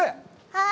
はい。